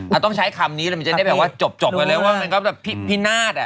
ถ้าต้องใช้คำนี้มันจะได้แปลว่าจบเลยว่ามันก็แบบพี่นาฏ